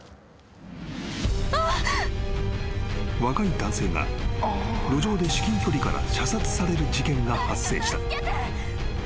［若い男性が路上で至近距離から射殺される事件が発生した］